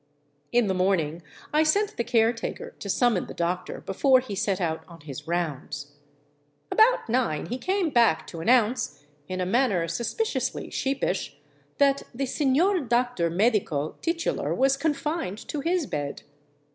In the morning I sent the caretaker to summon the doc tor before he set out on his rounds. About nine he came back to an nounce, in a manner suspiciously sheepish, that the seiior doctor medico titular was confined to his bed.